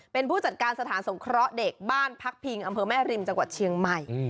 เป็นผู้จัดการสถานสงเคราะห์เด็กบ้านพักพิงอำเภอแม่ริมจังหวัดเชียงใหม่